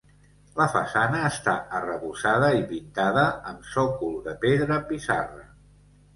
La façana està arrebossada i pintada, amb sòcol de pedra pissarra.